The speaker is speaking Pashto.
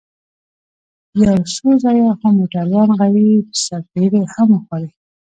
يو څو ځايه خو موټروان غريب څپېړې هم وخوړې.